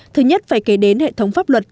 thứ nhất phải kể đến hệ thống pháp luật